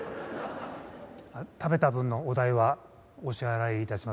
食べた分のお代はお支払い致します。